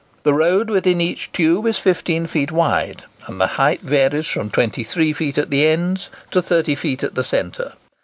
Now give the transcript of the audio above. The road within each tube is 15 feet wide, and the height varies from 23 feet at the ends to 30 feet at the centre.